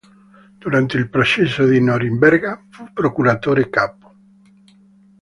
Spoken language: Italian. Durante il Processo di Norimberga fu Procuratore Capo.